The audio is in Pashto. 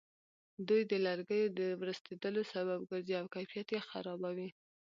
دوی د لرګیو د ورستېدلو سبب ګرځي او کیفیت یې خرابوي.